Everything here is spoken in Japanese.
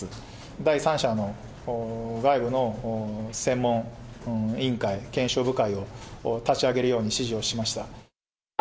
第三者の外部の専門委員会、検証部会を立ち上げるように指示をしました。